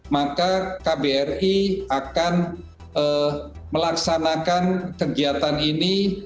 maka kbri akan melaksanakan kegiatan ini